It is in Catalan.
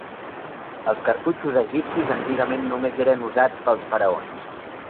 Els cartutxos egipcis antigament només eren usats pels faraons.